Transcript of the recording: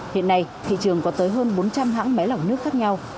hiện nay thị trường có tới hơn bốn trăm linh hãng máy lọc nước khác nhau